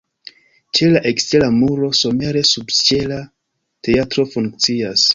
Ĉe la ekstera muro somere subĉiela teatro funkcias.